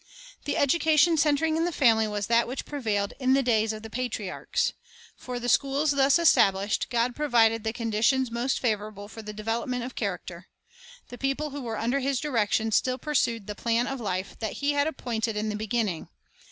The education centering in the family was that which prevailed in the days of the patriarchs. For the schools thus established, God provided the condi tions most favorable for the development of character. The people who were under His direction still pursued the plan of life that He had appointed in the beginning.